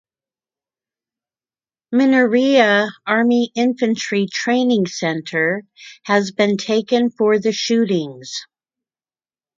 Minneriya Army Infantry Training Center has been taken for the shootings.